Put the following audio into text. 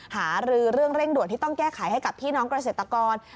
หารือเรื่องเร่งด่วนที่ต้องแก้ไขให้กับพี่น้องเกษตรกร